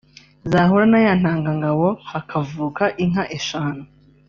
zahura na ya ntanga ngabo hakavuka inka eshanu